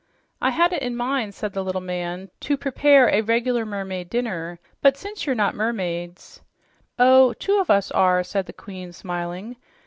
"I had it in mind," said the little man, "to prepare a regular mermaid dinner, but since you're not mermaids " "Oh, two of us are," said the Queen, smiling.